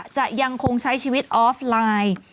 จะยังคงใช้ชีวิตออฟไลน์